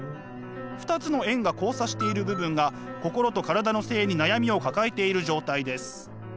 ２つの円が交差している部分が心と体の性に悩みを抱えている状態です。